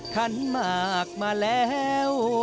คันหมากมาแล้ว